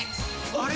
あれ？